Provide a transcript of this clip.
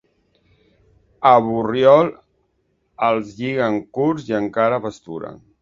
A Borriol els lliguen curts i encara pasturen.